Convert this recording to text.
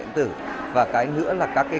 điện tử và cái nữa là các